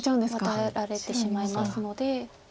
ワタられてしまいますので。